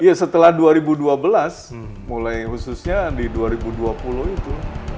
iya setelah dua ribu dua belas mulai khususnya di dua ribu dua puluh itu